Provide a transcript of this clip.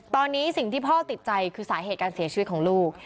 ตอนนี้สิ่งที่พ่อติดใจคือสาเหตุการเสียชีวิตของลูก